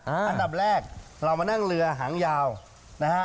อันดับแรกเรามานั่งเรือหางยาวนะฮะ